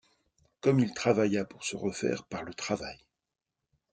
Comme il travailla pour se refaire par le travail !